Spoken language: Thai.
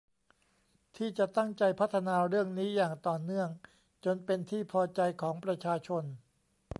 ที่จะตั้งใจพัฒนาเรื่องนี้อย่างต่อเนื่องจนเป็นที่พอใจของประชาชน